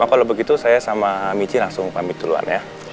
kalau begitu saya sama michi langsung pamit duluan ya